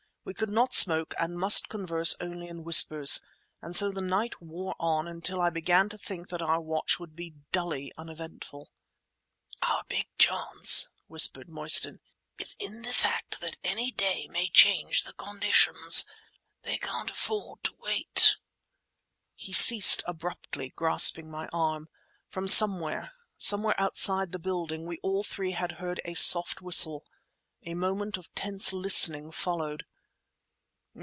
We could not smoke and must converse only in whispers; and so the night wore on until I began to think that our watch would be dully uneventful. "Our big chance," whispered Mostyn, "is in the fact that any day may change the conditions. They can't afford to wait." He ceased abruptly, grasping my arm. From somewhere, somewhere outside the building, we all three had heard a soft whistle. A moment of tense listening followed.